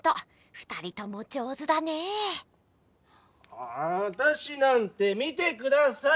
あたしなんて見てください！